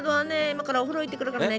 今からお風呂行ってくるからね。